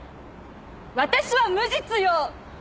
私は無実よ！